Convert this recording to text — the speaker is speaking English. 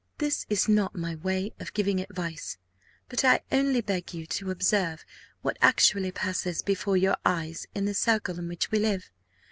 This is not my way of giving advice; but I only beg you to observe what actually passes before your eyes in the circle in which we live.